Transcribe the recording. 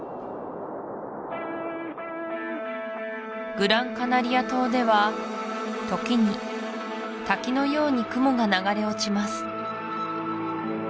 グラン・カナリア島では時に滝のように雲が流れ落ちます